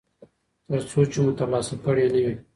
ترڅو چې مو ترلاسه کړی نه وي.